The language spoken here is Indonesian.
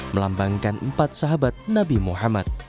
melambangkan empat sahabat nabi muhammad